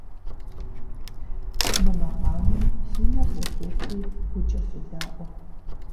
Мы макъамэм фи нэр зэтефпӏи гукӏэ федаӏуэ.